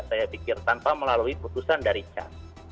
saya pikir tanpa melalui putusan dari cas